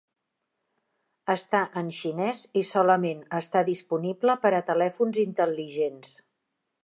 Està en xinès i solament està disponible per a telèfons intel·ligents.